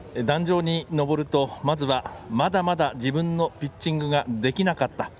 壇上に上ると、まずはまだまだ自分のピッチングができなかった。